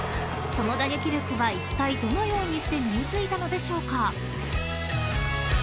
［その打撃力はいったいどのようにして身に付いたのでしょうか？］